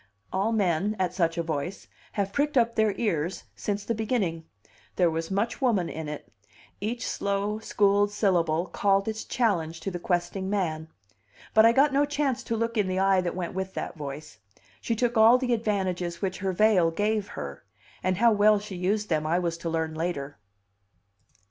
All men, at such a voice, have pricked up their ears since the beginning; there was much woman in it; each slow, schooled syllable called its challenge to questing man. But I got no chance to look in the eye that went with that voice; she took all the advantages which her veil gave her; and how well she used them I was to learn later.